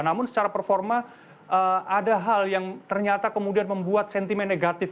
namun secara performa ada hal yang ternyata kemudian membuat sentimen negatif